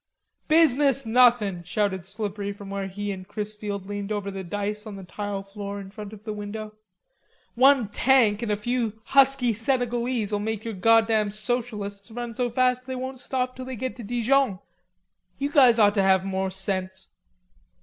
"Business nothin'," shouted Slippery from where he and Chrisfield leaned over the dice on the tile floor in front of the window. "One tank an' a few husky Senegalese'll make your goddam socialists run so fast they won't stop till they get to Dijon.... You guys ought to have more sense."